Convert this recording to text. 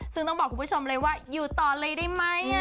ซึ่งต้องบอกคุณผู้ชมเลยว่าอยู่ต่อเลยได้ไหม